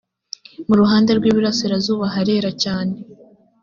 muruhande rw’ iburasirazuba harera cyane.